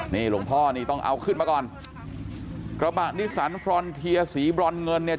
นี่หลวงพ่อนี่ต้องเอาขึ้นมาก่อนกระบะนิสันฟรอนเทียสีบรอนเงินเนี่ย